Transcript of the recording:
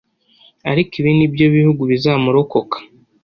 ariko ibi ni byo bihugu bizamurokoka